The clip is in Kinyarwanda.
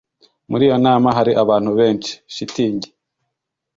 Muri iyo nama hari abantu benshi? (shitingi)